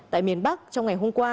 tại miền bắc trong ngày hôm qua